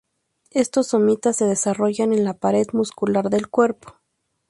Estos somitas se desarrollan en la pared muscular del cuerpo.